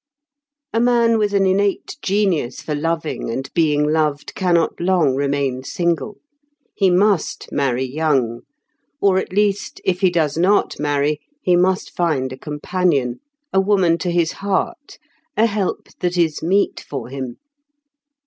A man with an innate genius for loving and being loved cannot long remain single. He must marry young; or at least, if he does not marry, he must find a companion, a woman to his heart, a help that is meet for him.